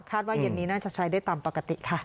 ว่าเย็นนี้น่าจะใช้ได้ตามปกติค่ะ